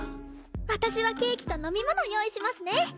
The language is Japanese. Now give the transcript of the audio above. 私はケーキと飲み物用意しますね！